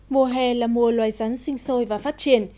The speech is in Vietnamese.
mùa hè là mùa loài rắn sinh sôi và phát triển